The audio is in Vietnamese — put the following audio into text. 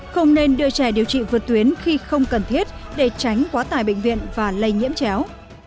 không nên đưa trẻ điều trị vượt tuyến khi không cần thiết để tránh quá tải bệnh viện và lây nhiễm chéo